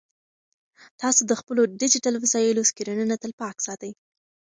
تاسو د خپلو ډیجیټل وسایلو سکرینونه تل پاک ساتئ.